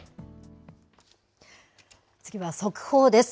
次は速報です。